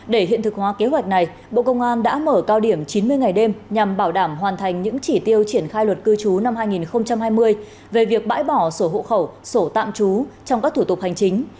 để hiện thực hóa kế hoạch này bộ công an đã mở cao điểm chín mươi ngày đêm nhằm bảo đảm hoàn thành những chỉ tiêu triển khai luật cư trú năm hai nghìn hai mươi về việc bãi bỏ sổ hộ khẩu sổ tạm trú trong các thủ tục hành chính